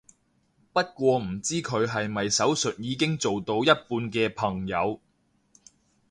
不過唔知佢係咪手術已經做到一半嘅朋友